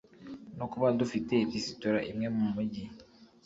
no kuba dufite resitora imwe mu mugi